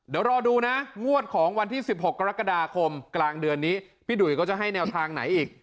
เดี๋ยวรอดูนะงวดของวันที่๑๖กรกฎาคมกลางเดือนนี้พี่ดุ๋ยเขาจะให้แนวทางไหนอีก